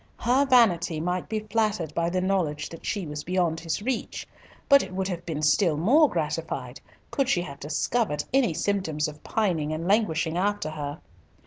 Her vanity might be flattered by the knowledge that she was beyond his reach; but it would have been still more gratified could she have discovered any symptoms of pining and languishing after her.